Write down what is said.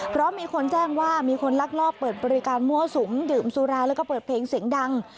เพราะมีคนแจ้งว่ามีคนลักลอบเปิดบริการมั่วสุมดื่มสุราแล้วก็เปิดเพลงเสียงดัง